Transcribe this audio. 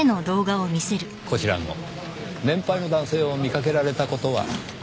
こちらの年配の男性を見かけられた事は？